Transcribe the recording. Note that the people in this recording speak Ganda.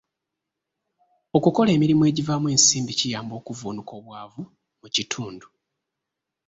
Okukola emirimu egivaamu ensimbi kiyamba okuvvuunuka obwavu mu kitundu.